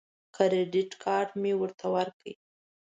کریډټ کارت مې ورکړ.